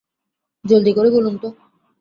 জলদি করে বলুন তো!